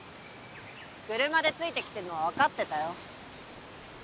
車でついてきてるのはわかってたよ。